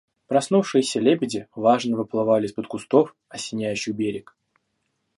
Проснувшиеся лебеди важно выплывали из-под кустов, осеняющих берег.